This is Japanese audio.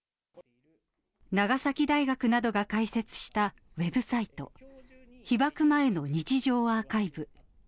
長崎大学などが開設したウェブサイト、被爆前の日常アーカイブ。